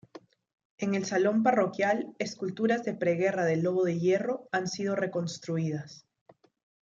En el salón parroquial esculturas de preguerra del Lobo de Hierro han sido reconstruidas.